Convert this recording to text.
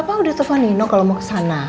papa udah telfon nino kalau mau kesana